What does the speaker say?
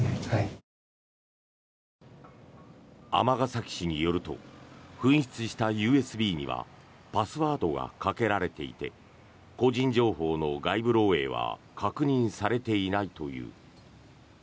尼崎市によると紛失したＵＳＢにはパスワードがかけられていて個人情報の外部漏えいは確認されていないという。